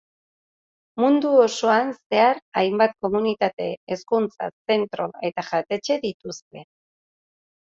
Mundu osoan zehar hainbat komunitate, hezkuntza-zentro eta jatetxe dituzte.